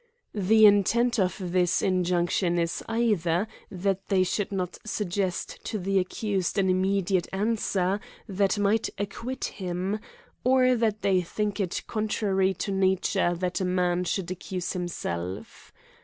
The intent of this injunction is, either that they should not suggest to the accused an immediate answer that might acquit him, or that they think it contrary to nature that a man should accuse himself.